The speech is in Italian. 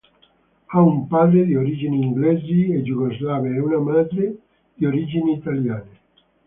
Ha un padre di origini inglesi e jugoslave e una madre di origini italiane.